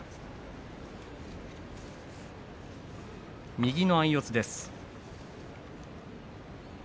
右の相四つです。